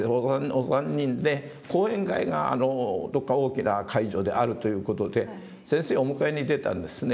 お三人で講演会がどこか大きな会場であるという事で先生をお迎えに出たんですね。